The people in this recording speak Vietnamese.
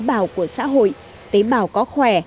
tế bào của xã hội tế bào có khỏe